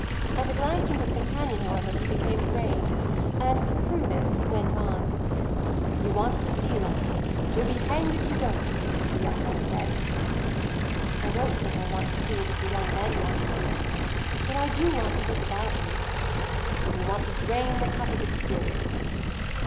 At a glance from his companion, however, he became grave, and to prove it went on: "You want to see life you'll be hanged if you don't, as the young men say." "I don't think I want to see it as the young men want to see it. But I do want to look about me." "You want to drain the cup of experience."